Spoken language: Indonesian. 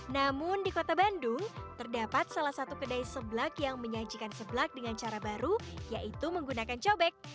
namun di kota bandung terdapat salah satu kedai seblak yang menyajikan seblak dengan cara baru yaitu menggunakan cobek